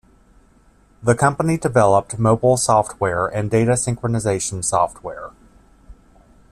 The company developed mobile software and data synchronization software.